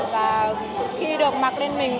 và khi được mặc lên mình